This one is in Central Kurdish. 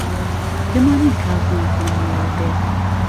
پێم وانییە کازم لە ماڵەوە بێت.